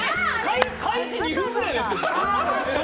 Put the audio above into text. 開始２分ぐらいだよ。